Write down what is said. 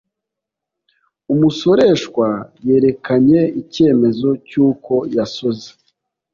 umusoreshwa yerekanye icyemezo cy'uko yasoze